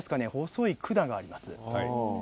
細い管があります。